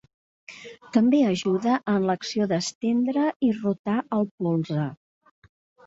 També ajuda en l'acció d'estendre i rotar el polze.